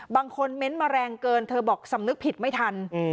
บางคนเม้นต์มาแรงเกินเธอบอกสำนึกผิดไม่ทัน